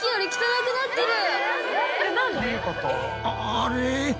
あれ？